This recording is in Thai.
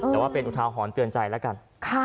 แต่ว่าเป็นอุทาหรณ์เตือนใจแล้วกัน